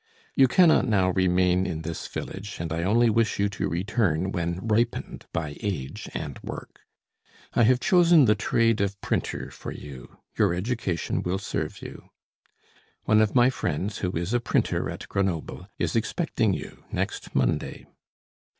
You cannot now remain in this village, and I only wish you to return when ripened by age and work. I have chosen the trade of printer for you; your education will serve you. One of my friends, who is a printer at Grenoble, is expecting you next Monday."